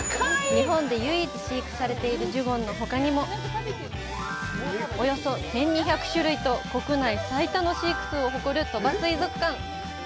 日本で唯一飼育されているジュゴンのほかにも、およそ１２００種類と、国内最多の飼育数を誇る鳥羽水族館。